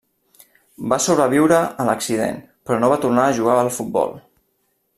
Va sobreviure a l'accident però no va tornar a jugar al futbol.